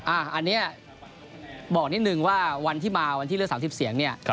อันนี้บอกนิดนึงว่าวันที่มาวันที่เลือก๓๐เสียงเนี่ย